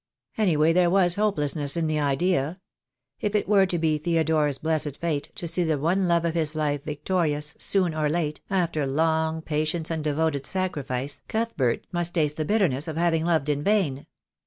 Anyway there was hopelessness in the idea. If it were to be Theodore's blessed fate to see the one love of his life victorious, soon or late, after long patience and devoted sacrifice, Cuthbert must taste the bitterness of having loved in vain.